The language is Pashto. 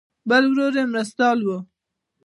بل ورور یې مرستیال و.